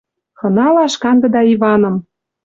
Хыналаш кандыда Иваным.